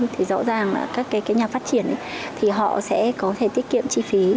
thì rõ ràng là các cái nhà phát triển thì họ sẽ có thể tiết kiệm chi phí